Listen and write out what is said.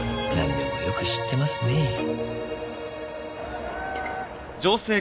なんでもよく知ってますねぇ。